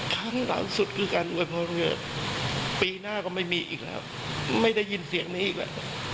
ครั้งหลังสุดคือการอวยพรปีหน้าก็ไม่มีอีกแล้วไม่ได้ยินเสียงนี้อีกแล้ว